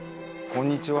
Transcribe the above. こんにちは。